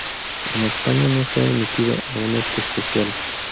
En España no se ha emitido aún este especial.